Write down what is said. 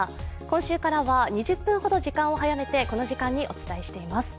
今週からは２０分ほど時間を早めてこの時間にお伝えしています。